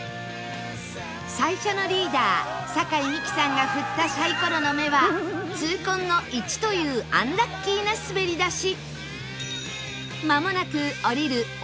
最初のリーダー酒井美紀さんが振ったサイコロの目は痛恨の「１」というアンラッキーな滑り出し